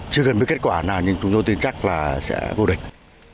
chưa cần biết kết quả nào nhưng chúng tôi tin chắc là sẽ vô địch